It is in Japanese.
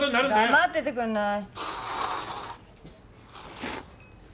黙っててくんない？